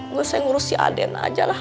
gue sayang urus si aden ajalah